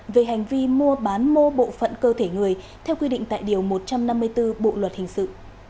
về hành vi mua bán mô bộ phận cơ thể người theo quy định tại điều một trăm năm mươi bốn bộ luật hình sự